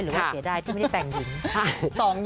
หรือว่าเกียรติดายที่ไม่ได้แต่งหญิง